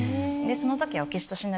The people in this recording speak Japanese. その時は。